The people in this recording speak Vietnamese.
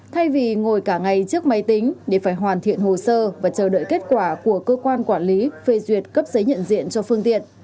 thay vì ngồi cả ngày trước máy tính để phải hoàn thiện hồ sơ và chờ đợi kết quả của cơ quan quản lý phê duyệt cấp giấy nhận diện cho phương tiện